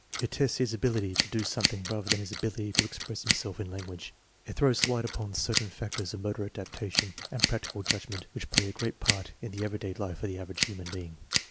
It tests his ability to do something rather than his ability to express himself in language. It throws light upon certain factors of motor adaptation and practical judgment which play a great part in the everyday life of the average human being.